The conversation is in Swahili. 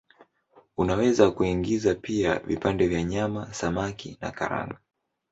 Unaweza kuingiza pia vipande vya nyama, samaki na karanga.